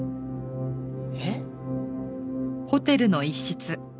えっ？